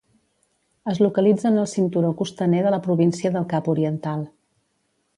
Es localitza en el cinturó costaner de la província del Cap Oriental.